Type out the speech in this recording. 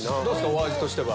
お味としては。